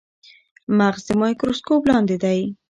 مغز د مایکروسکوپ لاندې دی.